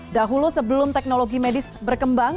dahulu sebelum teknologi medis berkembang